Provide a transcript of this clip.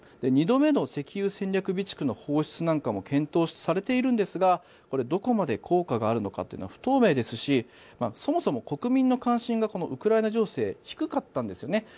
２度目の石油戦略備蓄の放出なんかも検討されているんですがどこまで効果があるのかは不透明ですしそもそも国民の関心がウクライナ情勢低かったんですよね。